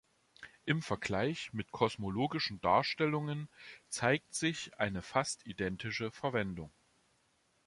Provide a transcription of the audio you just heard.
Im Vergleich mit kosmologischen Darstellungen zeigt sich eine fast identische Verwendung.